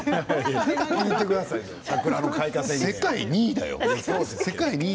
世界２位だよ？